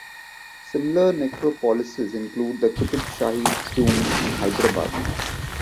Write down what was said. Similar necropolises include the Qutb Shahi tombs in Hyderabad.